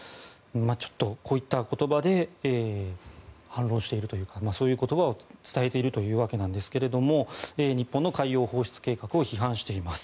ちょっとこういった言葉で反論しているというかそういう言葉を伝えているということなんですが日本の海洋放出計画を批判しています。